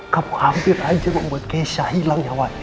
kamu hampir aja membuat keisha hilang nyawanya